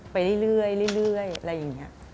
ไปเรื่อยอะไรแบบนี้